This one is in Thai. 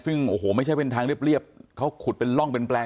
ซึ่งโอ้โหไม่ใช่เป็นทางเรียบเขาขุดเป็นร่องเป็นแปลง